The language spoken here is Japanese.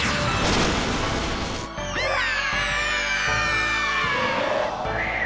うわ！